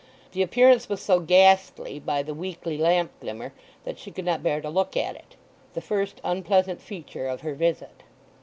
The appearance was so ghastly by the weakly lamp glimmer that she could not bear to look at it—the first unpleasant feature of her visit.